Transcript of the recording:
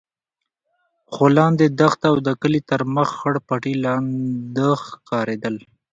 خو لاندې دښته او د کلي تر مخ خړ پټي لانده ښکارېدل.